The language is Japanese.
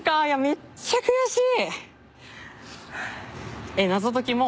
めっちゃ悔しい。